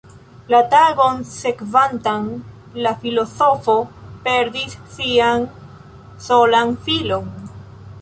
La tagon sekvantan, la filozofo perdis sian solan filon.